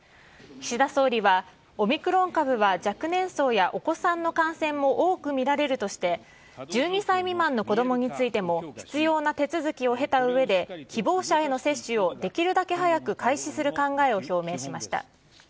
岸田総理は、オミクロン株は若年層やお子さんの感染も多く見られるとして、１２歳未満の子どもについても、必要な手続きを経たうえで、希望者への接種をできるだけ早く開始する考えを表明しました。